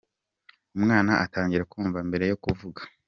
Umwana atangira kumva mbere yo kuvuka